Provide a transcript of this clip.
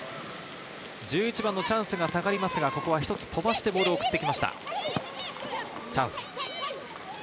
１１番のチャンスが下がりますが、一つ飛ばしてボールを送ってきました。